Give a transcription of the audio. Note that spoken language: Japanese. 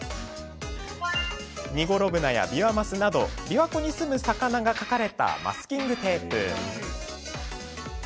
ニゴロブナやビワマスなど琵琶湖に住む魚が描かれたマスキングテープ。